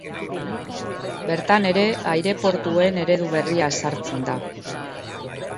Bertan ere aireportuen eredu berria ezartzen da.